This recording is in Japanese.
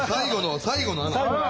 最後の穴。